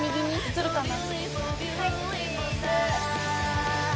写るかな？